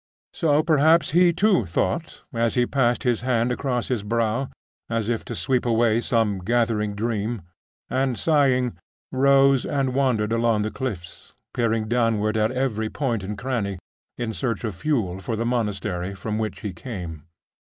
So perhaps he, too, thought, as he passed his hand across his brow, as if to sweep away some gathering dream, and sighing, rose and wandered along the cliffs, peering downward at every point and cranny, in search of fuel for the monastery from whence he came.